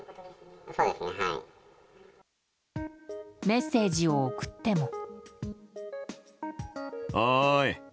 メッセージを送っても。